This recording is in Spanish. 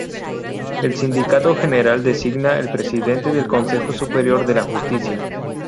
El síndico general designa el presidente del Consejo Superior de la Justicia.